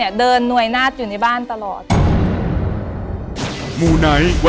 พัยยานา